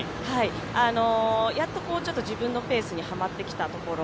やっと自分のペースにはまってきたところ。